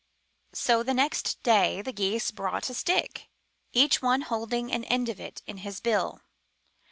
So the next day the Geese brought a stick, each one holding an end of it in his bill.